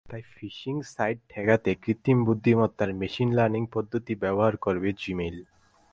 তাই phishing site ঠেকাতে কৃত্রিম বুদ্ধিমত্তার মেশিন লার্নিং পদ্ধতি ব্যবহার করবে জিমেইল।